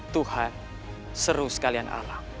tuhan seru sekalian allah